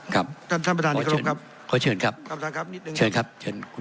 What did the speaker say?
ครับท่านท่านประธานครับขอเชิญครับท่านประธานครับนิดหนึ่ง